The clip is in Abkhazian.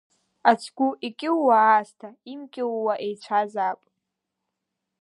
Ацгәы икьууа аасҭа имкьууа еицәазаап.